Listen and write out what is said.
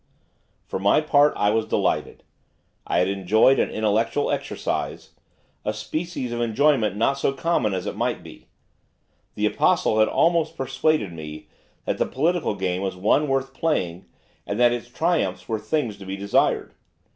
For my part, I was delighted. I had enjoyed an intellectual exercise, a species of enjoyment not so common as it might be. The Apostle had almost persuaded me that the political game was one worth playing, and that its triumphs were things to be desired.